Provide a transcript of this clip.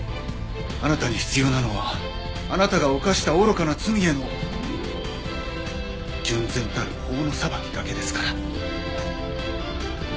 あなたに必要なのはあなたが犯した愚かな罪への純然たる法の裁きだけですから。